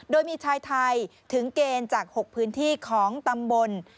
โดยมีชายไทยถึงเกณฑ์จาก๖พื้นที่ของตำบล